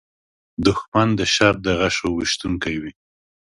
دښمن د شر د غشو ویشونکی وي